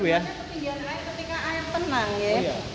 ketinggian lain ketika air tenang ya